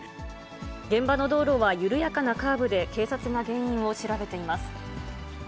現場の道路は緩やかなカーブで、警察が原因を調べています。